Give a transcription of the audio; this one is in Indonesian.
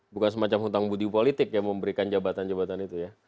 bukan semacam hutang budi politik yang memberikan jabatan jabatan itu ya